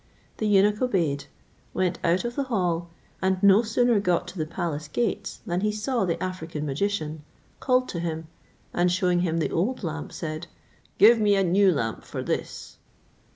The eunuch obeyed, went out of the hall, and no sooner got to the palace gates than he saw the African magician, called to him, and shewing him the old lamp, said, "Give me a new lamp for this."